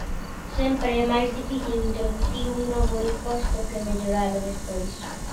Sempre é máis difícil introducir un novo imposto que melloralo despois.